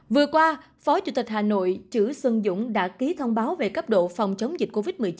vừa qua phó chủ tịch hà nội chử xuân dũng đã ký thông báo về cấp độ phòng chống dịch covid một mươi chín